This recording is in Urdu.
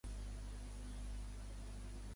ہے سخن گرد ز دَامانِ ضمیر افشاندہ